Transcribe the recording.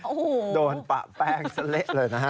โอ้โฮโดนปะแป้งเสล็กเลยนะคะ